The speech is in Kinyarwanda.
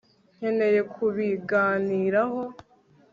nkeneye kubiganiraho